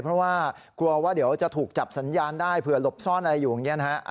เพราะว่ากลัวว่าเดี๋ยวจะถูกจับสัญญาณได้เผื่อหลบซ่อนอะไรอยู่อย่างนี้นะฮะ